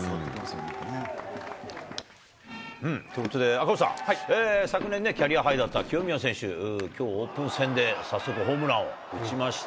赤星さん、昨年、キャリアハイだった清宮選手、きょう、オープン戦で早速、ホームランを打ちました。